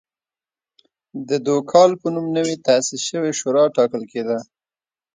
د دوکال په نوم نوې تاسیس شوې شورا ټاکل کېده.